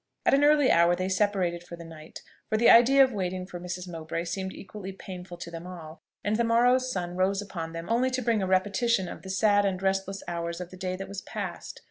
At an early hour they separated for the night; for the idea of waiting for Mrs. Mowbray seemed equally painful to them all, and the morrow's sun rose upon them only to bring a repetition of the sad and restless hours of the day that was past.